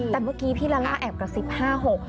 แต่เมื่อกี้พี่ลาล่าแอบกระซิบห้าหก